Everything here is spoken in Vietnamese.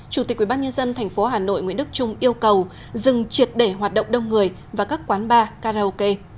chủ tịch ubnd tp hà nội nguyễn đức trung yêu cầu dừng triệt để hoạt động đông người và các quán bar karaoke